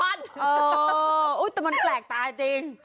โอ้โฮแต่มันแกลกตาจริง